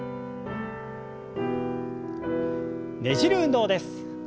ねじる運動です。